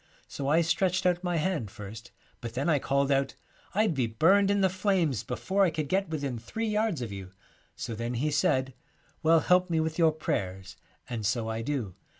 ' So I stretched out my hand first, but then I called out, "I'd be burned in the flames before I could get within three yards of you." So then he said, " Well, help me with your prayers," and so I do.